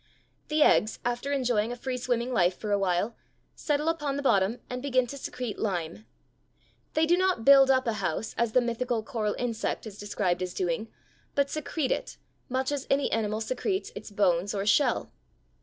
The eggs, after enjoying a free swimming life for a while, settle upon the bottom and begin to secrete lime. They do not build up a house as the mythical "coral insect" is described as doing, but secrete it much as any animal secretes its bones or shell.